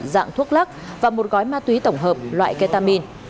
dạng thuốc lắc và một gói ma túy tổng hợp loại ketamin